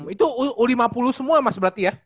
itu u lima puluh semua mas berarti ya